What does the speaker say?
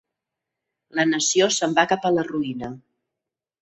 La nació se'n va cap a la ruïna.